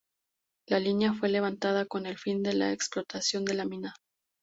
La línea fue levantada con el fin de la explotación de la mina.